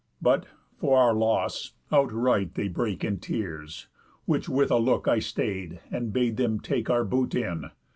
But, for our loss, outright They brake in tears; which with a look I stay'd, And bade them take our boot in.